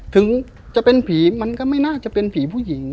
ถึงจะเป็นผีมันก็ไม่น่าจะเป็นผีผู้หญิง